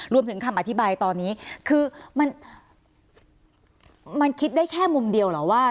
คำอธิบายตอนนี้คือมันคิดได้แค่มุมเดียวเหรอว่า